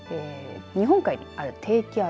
日本海にある低気圧